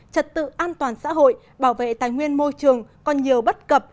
trật tự an toàn xã hội bảo vệ tài nguyên môi trường còn nhiều bất cập